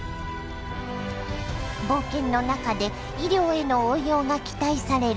冒険の中で医療への応用が期待される